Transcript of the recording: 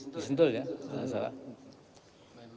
disentuh ya tidak masalah